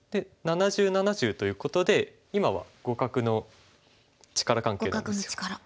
で７０７０ということで今は互角の力関係なんですよ。